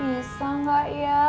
bisa enggak ya